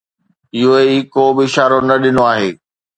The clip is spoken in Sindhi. UAE ڪوبه اشارو نه ڏنو آهي.